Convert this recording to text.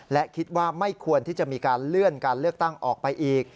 และคิดว่าไม่ควรที่จะมีการเลื่อนการเลือกตั้งออกไปอีก